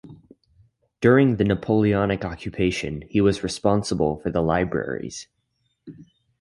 During the Napoleonic occupation he was responsible for the libraries.